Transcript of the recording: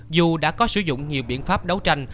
dù đã có sử dụng nhiều biện pháp đấu tranh